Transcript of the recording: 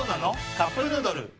「カップヌードル」